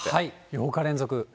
８日連続。